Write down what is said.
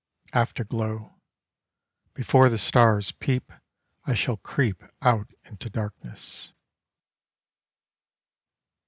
Afterglow: Before the stars peep I shall creep out into darkness.